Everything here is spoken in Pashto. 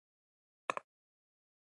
ځینې خلک له نورو تجربو څخه زده کړه کوي.